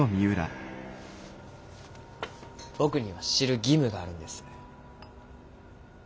僕には知る義務があるんです。